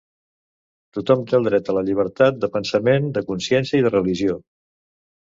Tothom té el dret a la llibertat de pensament, de consciència i de religió.